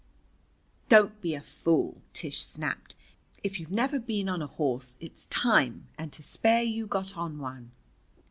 "Don't be a fool," Tish snapped. "If you've never been on a horse, it's time and to spare you got on one."